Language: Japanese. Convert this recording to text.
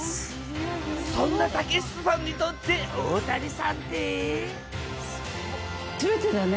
そんな竹下さんにとって、大谷さすべてだね。